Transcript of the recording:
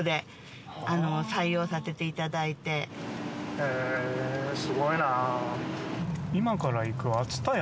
へぇすごいな。